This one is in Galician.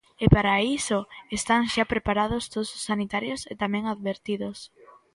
E para iso están xa preparados todos os sanitarios e tamén advertidos.